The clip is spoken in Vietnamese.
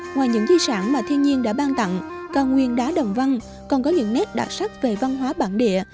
ngoài những di sản mà thiên nhiên đã ban tặng cao nguyên đá đồng văn còn có những nét đặc sắc về văn hóa bản địa